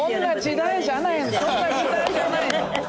そんな時代じゃないの！